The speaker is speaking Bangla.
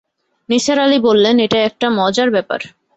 নিসার আলি বললেন, এটা একটা মজার ব্যাপার!